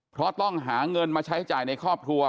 เพราะต้องหาเงินมาใช้จ่ายในครอบครัว